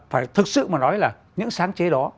phải thực sự mà nói là những sáng chế đó